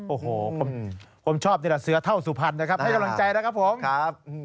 โอ้โหผมชอบเสือเท่าสุภัณฑ์นะครับให้กำลังใจนะครับผม